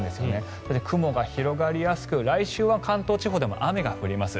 そして雲が広がりやすく来週は関東地方でも雨が降ります。